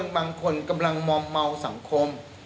บางคนกำลังมองเมาสังคม